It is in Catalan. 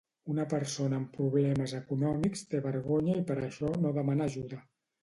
Una persona amb problemes econòmics té vergonya i per això no demana ajuda